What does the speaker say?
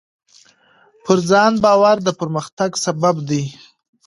پر ځان باور د پرمختګ سبب دی.